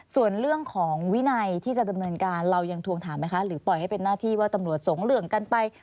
ส่วนเรื่องของวินัยที่จะดำเนินการเรายังทวงถามไหมคะหรือปล่อยให้เป็นหน้าที่ว่าตำรวจสงเหลืองกันไป